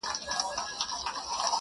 هر ګستاخ چي په ګستاخ نظر در ګوري ,